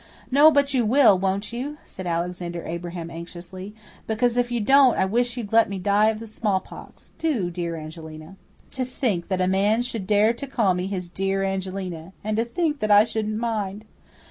"No, but you will, won't you?" said Alexander Abraham anxiously. "Because if you won't, I wish you'd let me die of the smallpox. Do, dear Angelina." To think that a man should dare to call me his "dear Angelina!" And to think that I shouldn't mind!